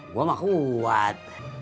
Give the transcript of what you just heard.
gue mah kuat